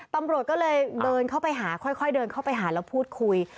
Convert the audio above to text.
ตำรวจก็เลยเดินเข้าไปหาค่อยเดินเข้าไปหาแล้วพูดคุย